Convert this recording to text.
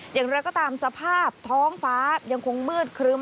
อย่างไรก็ตามสภาพท้องฟ้ายังคงมืดครึ้ม